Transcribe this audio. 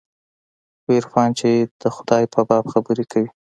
خو عرفان چې د خداى په باب خبرې کوي.